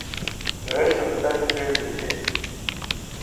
The rest of the passengers escaped.